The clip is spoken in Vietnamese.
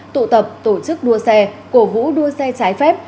tụ tập tổ chức đua xe cổ vũ đua xe trái phép